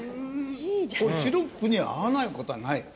シロップに合わない事はない。